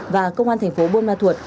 và công an thành phố buôn ma thuột